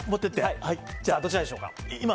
じゃあ、どちらでしょうか？